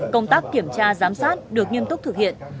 công tác kiểm tra giám sát được nghiêm túc thực hiện